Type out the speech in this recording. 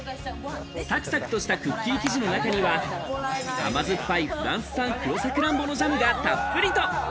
サクサクとしたクッキー生地の中には、甘酸っぱいフランス産黒サクランボのジャムがたっぷりと。